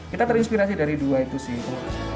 kita terinspirasi dari dua itu sih